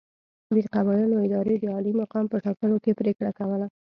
د قبایلو ادارې د عالي مقام په ټاکلو کې پرېکړه کوله.